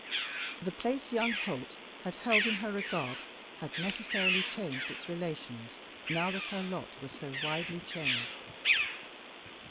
The place young Holt had held in her regard had necessarily changed its relations now that her lot was so widely changed.